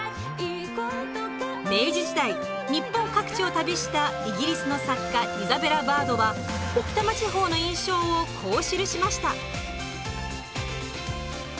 明治時代日本各地を旅したイギリスの作家イザベラ・バードは置賜地方の印象をこう記しました。